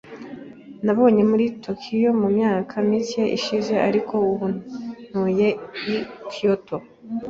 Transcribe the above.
Nabaye muri Tokiyo mu myaka mike ishize, ariko ubu ntuye i Kyoto.